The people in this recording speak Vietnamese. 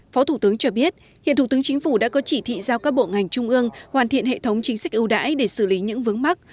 phó thủ tướng cho biết hiện thủ tướng chính phủ đã có chỉ thị giao các bộ ngành trung ương hoàn thiện hệ thống chính sách ưu đãi để xử lý những vướng mắt